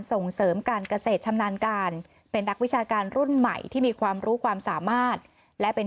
ส่งเสริมการเกษตรชำนาญการเป็นนักวิชาการรุ่นใหม่ที่มีความรู้ความสามารถและเป็น